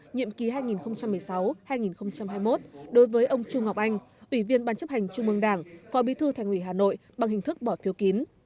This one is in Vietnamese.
nhiệm kỳ hai nghìn một mươi sáu hai nghìn hai mươi một đối với ông trung ngọc anh ủy viên ban chấp hành trung mương đảng phó bí thư thành ủy hà nội bằng hình thức bỏ phiếu kín